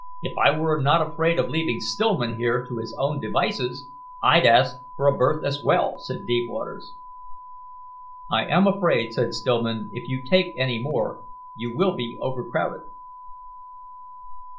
"If I were not afraid of leaving Stillman here to his own devices, I'd ask for a berth as well," said Deepwaters. "I am afraid," said Stillman, "if you take any more, you will be overcrowded."